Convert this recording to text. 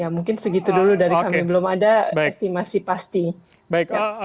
mungkin segitu dulu dari sampai belum ada estimasi pasti